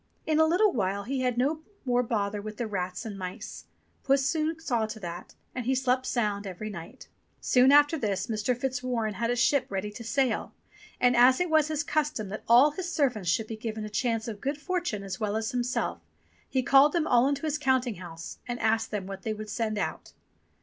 In a little while he had no more bother with the rats and mice. Puss soon saw to that, and he slept sound every night. Soon after this Mr. Fitzwarren had a ship ready to sail ; and as it was his custom that all his servants should be given a chance of good fortune as well as himself, he called them all into the counting house and asked them what they would send out.